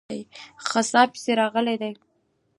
غزا پسې راغلی دی.